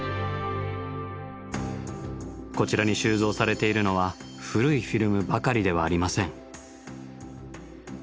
こちらに収蔵されているのは古いフィルムばかりではありません。